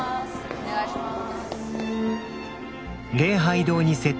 お願いします。